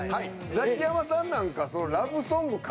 ザキヤマさんなんか。